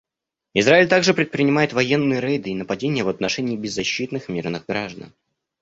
Израиль также предпринимает военные рейды и нападения в отношении беззащитных мирных граждан.